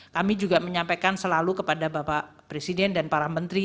kami juga menyampaikan selalu kepada bapak presiden dan para menteri